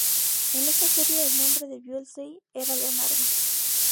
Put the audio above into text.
En esta serie, el nombre de Bullseye era Leonard.